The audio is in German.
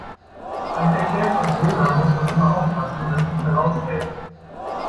Beim Verzehr von Döner muss man immer aufpassen, dass nichts herausfällt.